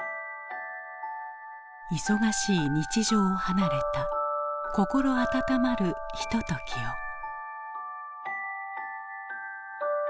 忙しい日常を離れた心温まるひとときを。